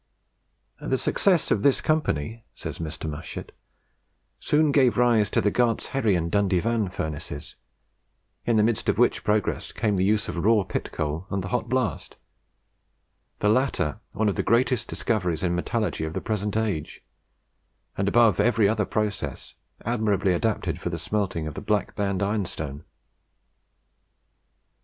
"The success of this Company," says Mr. Mushet, "soon gave rise to the Gartsherrie and Dundyvan furnaces, in the midst of which progress came the use of raw pit coal and the Hot Blast the latter one of the greatest discoveries in metallurgy of the present age, and, above every other process, admirably adapted for smelting the Blackband ironstone."